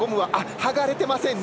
剥がれてませんね！